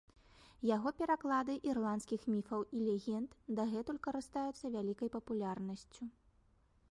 Яго пераклады ірландскіх міфаў і легенд дагэтуль карыстаюцца вялікай папулярнасцю.